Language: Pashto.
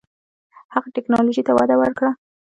هغه ټیکنالوژۍ ته وده ورکړه.